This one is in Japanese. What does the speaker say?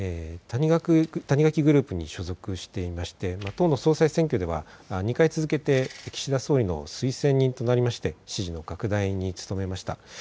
谷垣グループに所属していて党の総裁選挙では２回続けて岸田総理の推薦人となりまして支持の拡大に努めました。